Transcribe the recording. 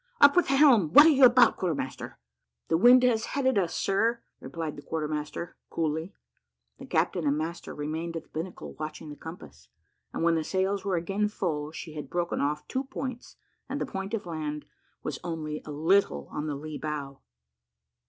"Up with the helm; what are you about, quarter master?" "The wind has headed us, sir," replied the quarter master, coolly. The captain and master remained at the binnacle watching the compass; and when the sails were again full, she had broken off two points and the point of land was only a little on the lee bow.